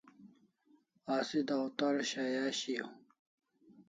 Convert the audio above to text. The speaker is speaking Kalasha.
Asi dawtar shaya shiau